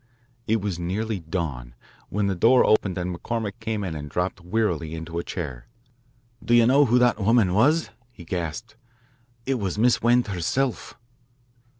It was nearly dawn when the door opened and McCormick came in and dropped wearily into a chair. "Do you know who that woman was?" he gasped. " It was Miss Wend herself."